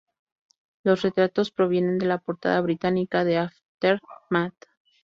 Los retratos provienen de la portada británica de "Aftermath".